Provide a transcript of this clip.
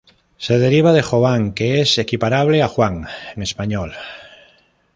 Se deriva de Jovan, que es equiparable a "Juan" en español.